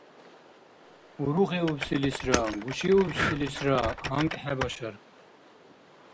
Урухиубсилисра гушиубсилисра гьанкӀ хӀебашар.